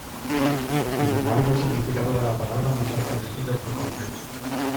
Sin embargo, el significado de la palabra no se ha establecido por completo.